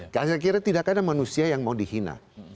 saya kira tidak ada manusia yang mau dihina